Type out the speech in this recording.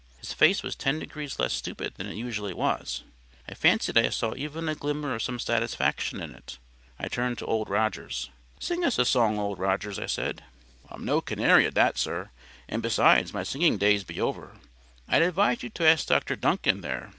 His face was ten degrees less stupid than it usually was. I fancied I saw even a glimmer of some satisfaction in it. I turned to Old Rogers. "Sing us a song, Old Rogers," I said. "I'm no canary at that, sir; and besides, my singing days be over. I advise you to ask Dr. Duncan there.